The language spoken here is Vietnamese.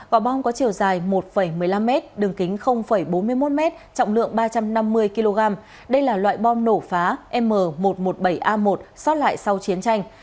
quả bom có chiều dài một một mươi năm m đường kính bốn mươi một m trọng lượng ba trăm năm mươi kg đây là loại bom nổ phá m một trăm một mươi bảy a một xót lại sau chiến tranh